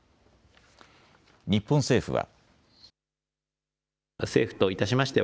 日本政府は。